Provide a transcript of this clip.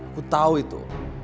aku tau itu